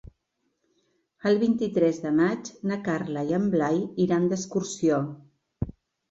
El vint-i-tres de maig na Carla i en Blai iran d'excursió.